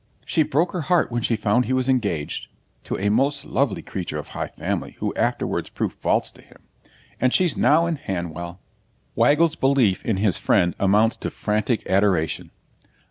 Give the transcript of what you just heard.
She broke her heart when she found he was engaged (to a most lovely creature of high family, who afterwards proved false to him), and she's now in Hanwell.' Waggle's belief in his friend amounts to frantic adoration.